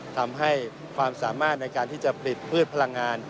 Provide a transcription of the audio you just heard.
ทำให้ความสามารถในการที่จะผลิตพืชพลังงาน